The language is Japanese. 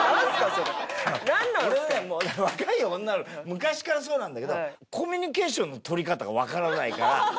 俺はね若い女昔からそうなんだけどコミュニケーションの取り方がわからないから。